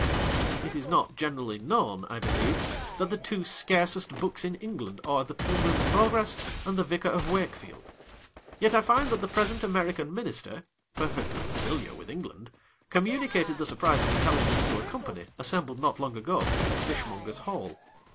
It is not generally known, I believe, that the two scarcest books in England are The Pilgrim's Progress and The Vicar of Wake field. Yet I find that the present American Minister (perfectly familiar with England) communicated the surprising intelligence to a company, assembled not long ago, at Fishmongers' Hall.